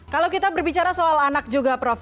kalau kita berbicara soal anak juga prof